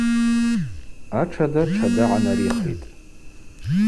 Атшада тшада гӏанарихитӏ.